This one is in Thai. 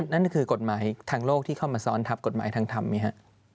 นั่นคือกฎหมายทางโลกที่เข้ามาซ้อนทับกฎหมายทางธรรมไหมฮะ